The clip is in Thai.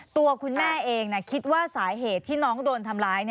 ตัวคุณแม่เองคิดว่าสาเหตุที่น้องโดนทำร้าย